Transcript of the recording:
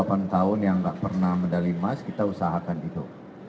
ada dua puluh delapan tahun yang tidak pernah medali emas kita usahakan itu